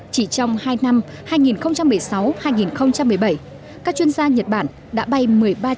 chỉ trong hai năm hai nghìn một mươi sáu hai nghìn một mươi bảy các chuyên gia nhật bản đã bay một mươi ba chuyến